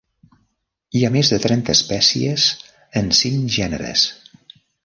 Hi ha més de trenta espècies en cinc gèneres.